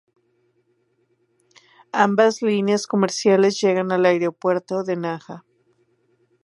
Ambas líneas comerciales llegan al Aeropuerto de Naha.